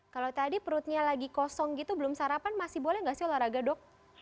kalau tadi perutnya lagi kosong gitu belum sarapan masih boleh nggak sih olahraga dok